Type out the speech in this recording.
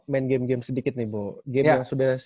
main game game sedikit nih bu game yang sudah